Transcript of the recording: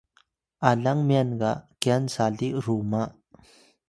alang myan ga kyan sali ruma